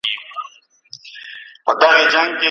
له هري غیږي له هر یاره سره لوبي کوي